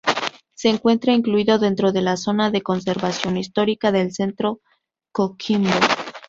Se encuentra incluido dentro de la zona de conservación histórica del centro de Coquimbo.